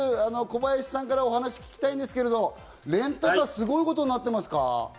まず小林さんからお話を聞きたいんですけど、レンタカー、すごいことになってますか？